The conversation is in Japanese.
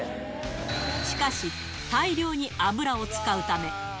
しかし、大量に脂を使うため。